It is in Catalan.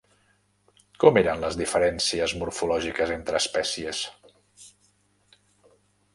Com eren les diferències morfològiques entre espècies?